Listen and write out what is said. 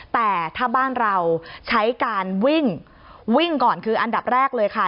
แต่ถ้าบ้านเราใช้การวิ่งวิ่งก่อนคืออันดับแรกเลยค่ะ